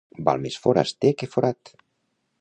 Val més foraster que forat.